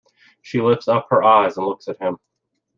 She lifts up her eyes and looks at him.